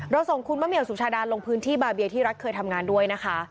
ส่งคุณมะเหี่ยวสุชาดาลงพื้นที่บาเบียที่รักเคยทำงานด้วยนะคะ